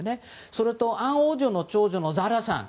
それとアン王女の長女のザラさん。